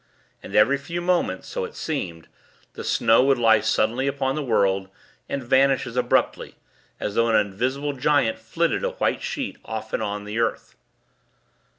And every few moments, so it seemed, the snow would lie suddenly upon the world, and vanish as abruptly, as though an invisible giant 'flitted' a white sheet off and on the earth.